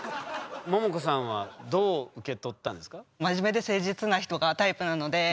ももこさんはどう受け取ったんですか？